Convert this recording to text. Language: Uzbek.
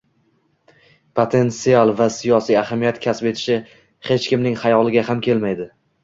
potensial va siyosiy ahamiyat kasb etishi hech kimning xayoliga ham kelmaydi.